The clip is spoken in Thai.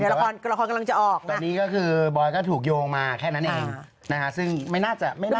เดี๋ยวละครกำลังจะออกแต่นี่ก็คือบอยก็ถูกโยงมาแค่นั้นเอง